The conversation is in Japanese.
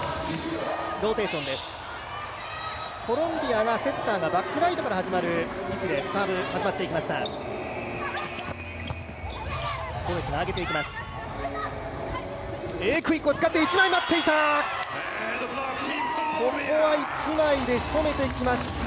コロンビアがセンターがバックライトから始まる位置でサーブが始まっていきました。